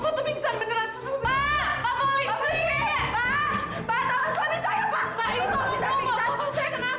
kenapa sih anaknya dibanting banting kayak begini